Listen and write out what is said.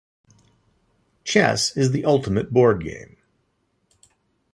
Chess is the ultimate board game.